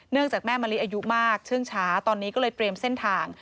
จากแม่มะลิอายุมากเชื่องช้าตอนนี้ก็เลยเตรียมเส้นทาง